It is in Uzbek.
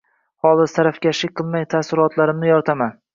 Holis, tarafkashlik qilmay taassurotlarimni yoritaman